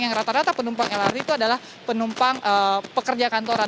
yang rata rata penumpang lrt itu adalah penumpang pekerja kantoran